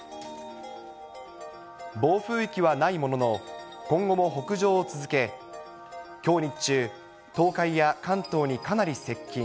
暴風域はないものの、今後も北上を続け、きょう日中、東海や関東にかなり接近。